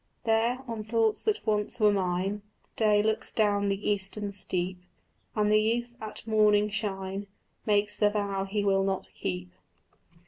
There, on thoughts that once were mine, Day looks down the eastern steep, And the youth at morning shine Makes the vow he will not keep.